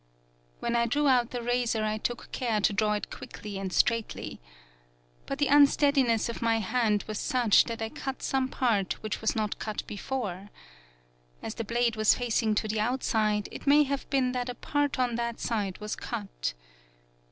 "When I drew out the razor I took care to draw it quickly and straightly. But the unsteadiness of my hand was such that I cut some part which was not cut before. As the blade was facing to the outside, it may have been that a part on that side was cut.